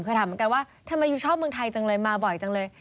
เคยถามเหมือนกันว่าทำไมยูชอบเมืองไทยจังเลยมาบ่อยจังเลย